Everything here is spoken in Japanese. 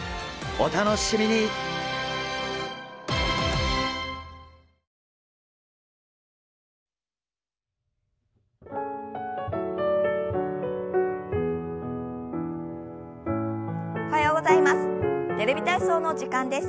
おはようございます。